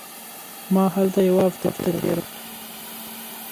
ما هلته یوه هفته تېره کړه.